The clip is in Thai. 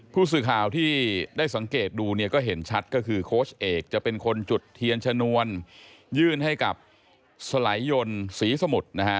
ผู้สื่อข่าวที่ได้สังเกตดูเนี่ยก็เห็นชัดก็คือโค้ชเอกจะเป็นคนจุดเทียนชนวนยื่นให้กับสลายยนต์ศรีสมุทรนะฮะ